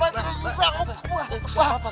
abah terlalu kuat